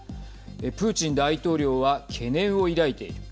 プーチン大統領は懸念を抱いている。